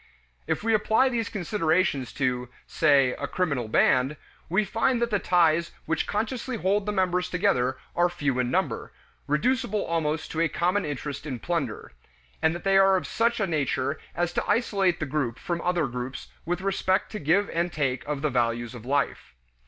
If we apply these considerations to, say, a criminal band, we find that the ties which consciously hold the members together are few in number, reducible almost to a common interest in plunder; and that they are of such a nature as to isolate the group from other groups with respect to give and take of the values of life.